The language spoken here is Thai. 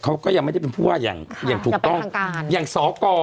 เขาก็ยังไม่ได้เป็นผู้ว่าอย่างอย่างถูกต้องอย่างสก